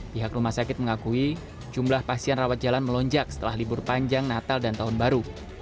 pihak rumah sakit mengakui jumlah pasien rawat jalan melonjak setelah libur panjang natal dan tahun baru